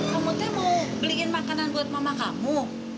kamu tuh mau beliin makanan buat mama kamu